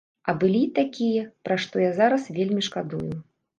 А былі і такія, пра што я зараз вельмі шкадую.